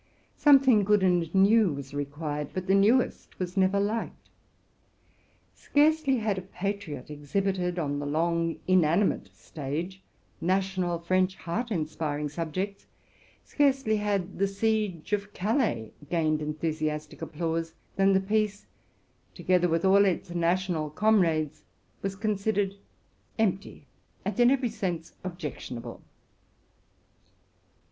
Something good and new was re quired, but the newest was never liked. Scarcely had a patriot exhibited on the long inanimate stage national French, heart inspiring subjects, scarcely had the Siege of Calais "' gained enthusiastic applause, than the piece, together with all its national comrades, was considered empty, and in every sense objectionable.